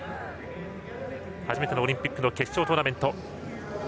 初めてのオリンピックの決勝トーナメント。